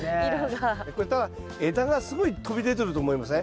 これただ枝がすごい飛び出てると思いません？